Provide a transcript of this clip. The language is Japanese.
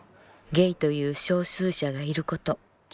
「ゲイという少数者がいること。